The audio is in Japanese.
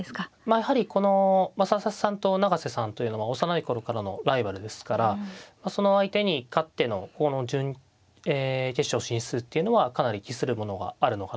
やはりこの佐々木さんと永瀬さんというのは幼い頃からのライバルですからその相手に勝ってのこの準決勝進出っていうのはかなり期するものがあるのかなと。